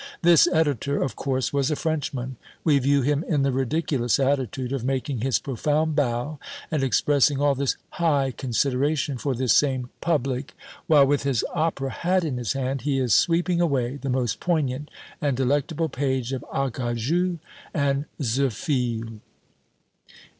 This editor, of course, was a Frenchman: we view him in the ridiculous attitude of making his profound bow, and expressing all this "high consideration" for this same "Public," while, with his opera hat in his hand, he is sweeping away the most poignant and delectable page of Acajou and Zirphile.